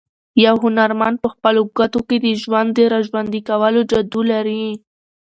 یو هنرمند په خپلو ګوتو کې د ژوند د راژوندي کولو جادو لري.